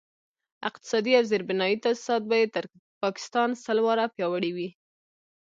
اقتصادي او زیربنایي تاسیسات به یې تر پاکستان سل واره پیاوړي وي.